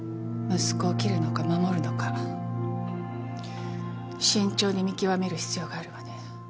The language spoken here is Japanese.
息子を切るのか守るのか慎重に見極める必要があるわね。